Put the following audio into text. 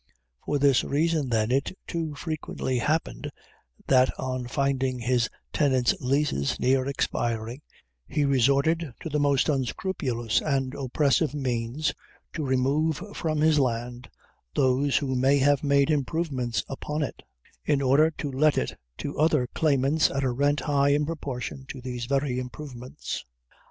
For this reason, then, it too frequently happened that on finding his tenant's leases near expiring, he resorted to the most unscrupulous and oppressive means to remove from his land those who may have made improvements upon it, in order to let it to other claimants at a rent high in proportion to these very improvements.